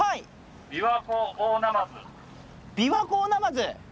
ビワコオオナマズ？